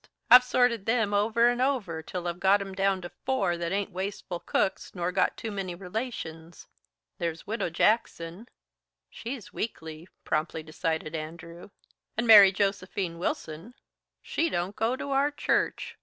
I've sorted them over and over till I've got 'em down to four that ain't wasteful cooks nor got too many relations. There's Widow Jackson " "She's weakly," promptly decided Andrew. "And Mary Josephine Wilson " "She don't go to our church.